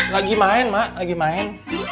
lagi main mak lagi main